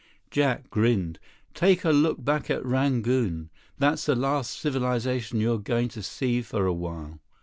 Jack grinned. "Take a look back at Rangoon. That's the last civilization you're going to see for a while."